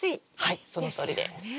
はいそのとおりです。